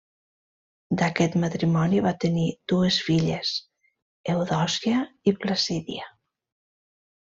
D'aquest matrimoni va tenir dues filles, Eudòcia i Placídia.